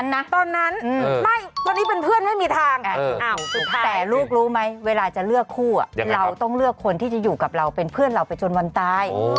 โหเป็นคนที่จะอยู่กับเราเป็นเพื่อนเราถึงวันตาย